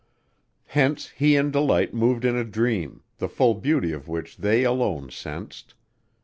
Hence he and Delight moved in a dream, the full beauty of which they alone sensed.